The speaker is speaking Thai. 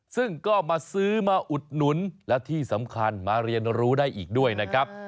ซึ่งก็มาซื้อมาอุดหนุนและที่สำคัญมาเรียนรู้ได้อีกด้วยนะครับ